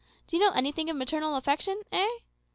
Do you know anything of maternal affection, eh?